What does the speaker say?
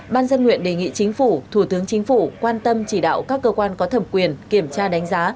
ban dân nguyện đề nghị chính phủ thủ tướng chính phủ quan tâm chỉ đạo các cơ quan có thẩm quyền kiểm tra đánh giá